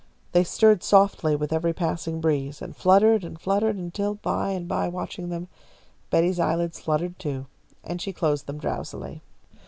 They stirred softly with every passing breeze, and fluttered and fluttered, until by and by, watching them, Betty's eyelids fluttered, too, and she closed them drowsily.